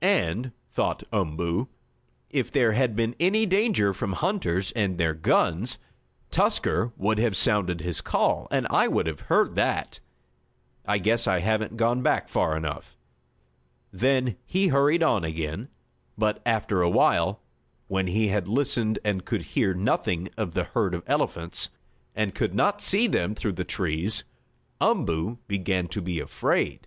"And," thought Umboo, "if there had been any danger from hunters and their guns, Tusker would have sounded his call, and I would have heard that. I guess I haven't gone back far enough." Then he hurried on again, but, after awhile, when he had listened and could hear nothing of the herd of elephants, and could not see them through the trees, Umboo began to be afraid.